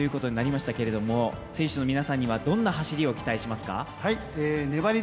２年ぶりの出場となりましたけど、選手の皆さんにはどんな走りを期待しますか？